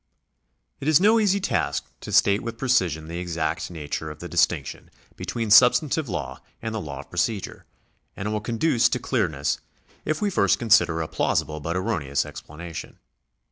It is no easy task to state with precision the exact nature of the distinction between substantive law and the law of pro cedure, and it will conduce to clearness if we first consider a plausible but erroneous explanation.